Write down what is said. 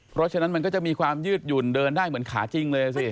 เพราะฉะนั้นมันก็จะมีความยืดหยุ่นเดินได้เหมือนขาจริงเลยสิ